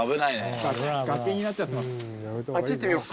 崖になっちゃってます。